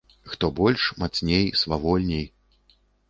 Хто больш, мацней, свавольней!